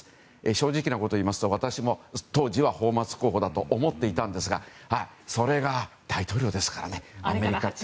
正直なことを言いますと私も当時は泡沫候補だと思っていたんですがそれが、大統領ですからね。